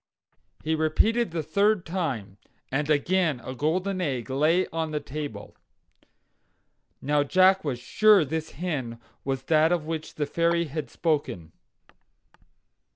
"Lay!" he repeated the third time. And again a golden egg lay on the table. Now, Jack was sure this hen was that of which the fairy had spoken.